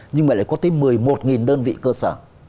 nhưng mà lại có tới một mươi một đơn vị cơ sở